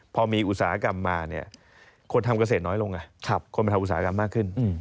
พอมีอุตสาหกรรมมาเนี่ยคนทำเกษตรน้อยลงคนมาทำอุตสาหกรรมมากขึ้น